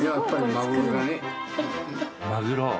マグロ。